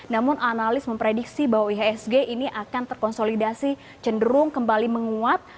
namun analis memprediksi bahwa ihsg ini akan terkonsolidasi cenderung kembali menguat